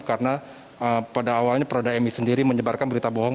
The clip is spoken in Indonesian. karena pada awalnya proda emi sendiri menyebarkan berita bohong